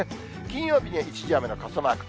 金曜日には一時雨の傘マーク。